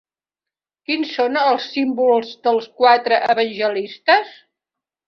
Quins són els símbols dels quatre evangelistes?